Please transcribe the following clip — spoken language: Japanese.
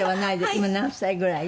今何歳ぐらい？